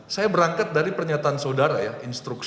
saya berangkat dari pernyataan saudara ya instruksi